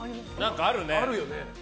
あるよね。